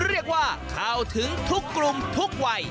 เรียกว่าเข้าถึงทุกกลุ่มทุกวัย